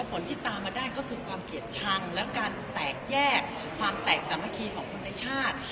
ผลที่ตามมาได้ก็คือความเกลียดชังและการแตกแยกความแตกสามัคคีของคนในชาติ